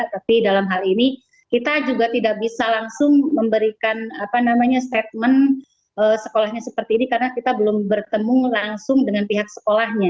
tapi dalam hal ini kita juga tidak bisa langsung memberikan statement sekolahnya seperti ini karena kita belum bertemu langsung dengan pihak sekolahnya